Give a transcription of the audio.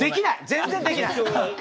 全然できない。